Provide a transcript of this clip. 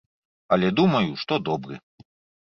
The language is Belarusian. Але думаю, што добры.